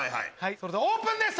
それではオープンです！